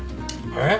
えっ？